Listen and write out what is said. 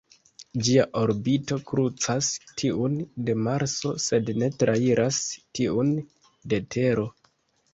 Ĝia orbito krucas tiun de Marso sed ne trairas tiun de Tero.